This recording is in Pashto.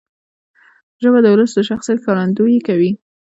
ژبه د ولس د شخصیت ښکارندویي کوي.